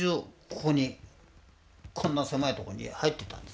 ここにこんな狭いとこに入ってたんですよね。